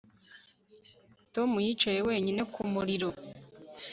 Tom yicaye wenyine ku muriro